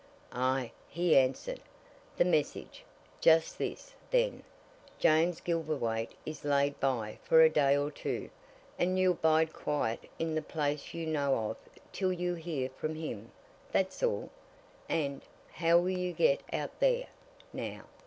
"Aye!" he answered, "the message. Just this, then: 'James Gilverthwaite is laid by for a day or two, and you'll bide quiet in the place you know of till you hear from him.' That's all. And how will you get out there, now?